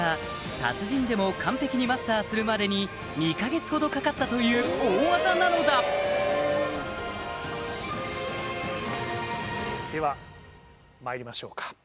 達人でも完璧にマスターするまでに２か月ほどかかったという大技なのだではまいりましょうか。